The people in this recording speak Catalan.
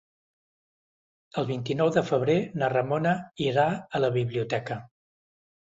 El vint-i-nou de febrer na Ramona irà a la biblioteca.